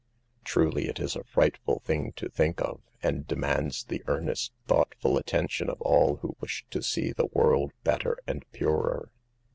Truly it is a frightful P 226 SAVE THE GIRLS, thing to think of, and demands the earnest, thoughtful attention of all whowish to see the world better and purer.